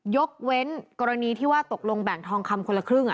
ยกเว้นกรณีที่ว่าตกลงแบ่งทองคำคนละครึ่ง